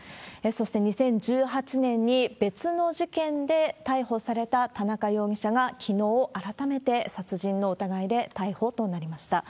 そして、２０１８年に別の事件で逮捕された田中容疑者がきのう、改めて殺人の疑いで逮捕となりました。